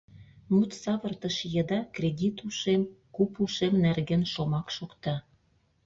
Мут савыртыш еда кредит ушем, куп ушем нерген шомак шокта.